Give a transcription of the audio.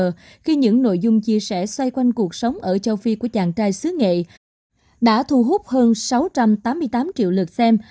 vì vậy video lọt tắp thịnh hành của team cuộc sống ở châu phi của chàng trai sứ nghệ đã thu hút hơn sáu trăm tám mươi tám triệu lượt xem